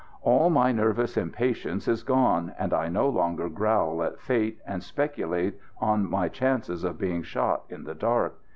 All my nervous impatience is gone, and I no longer growl at fate and speculate on my chances of being shot in the dark.